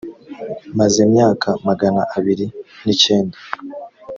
maze myaka magana abiri n icyenda